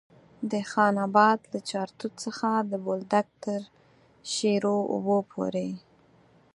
د خان اباد له چارتوت څخه د بولدک تر شیرو اوبو پورې.